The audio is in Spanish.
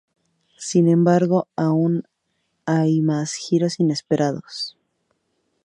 Sin embargo, aún hay más giros inesperados.